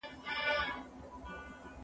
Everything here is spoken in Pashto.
هغه وويل چي مرسته کول مهم دي!.